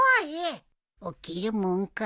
起きるもんか